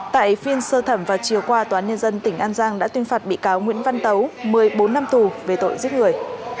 tại phiên sơ thẩm vào chiều qua tòa án nhân dân tỉnh an giang đã tuyên phạt bị cáo nguyễn văn tấu một mươi bốn năm tù về tội giết người